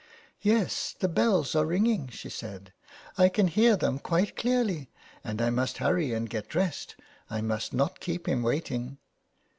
'* Yes, the bells are ring ing," she said ;" I can hear them quite clearly, and 254 THE WEDDING GOWN. I must hurry and get dressed — I must not keep him waiting."